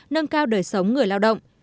nâng cao đời sống người lao động